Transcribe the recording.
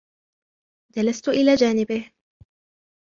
جلست إلى جانبه.